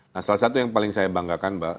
nah salah satu yang paling saya banggakan mbak